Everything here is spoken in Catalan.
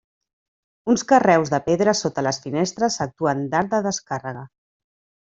Uns carreus de pedra sota les finestres actuen d'arc de descàrrega.